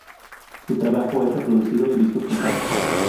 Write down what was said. Su trabajo es reproducido en discos compactos.